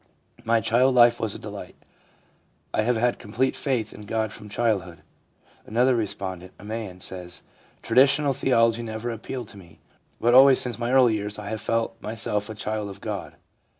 My child life was a delight. I have had complete faith in God from childhood/ Another respondent, a man, says :' Traditional theology never appealed to me, but always since my early years I have felt myself a child of God.